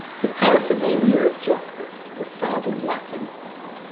The paraphernalia of justice were sadly lacking.